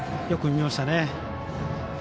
よく見ましたね。